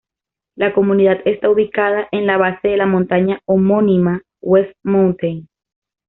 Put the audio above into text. La comunidad está ubicada en la base de la montaña homónima, West Mountain.